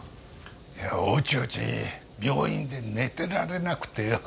いやおちおち病院で寝てられなくてよ